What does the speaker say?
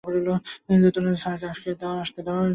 কিন্তু, স্যার--- - তাকে আসতে দাও।